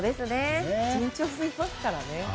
順調すぎますからね。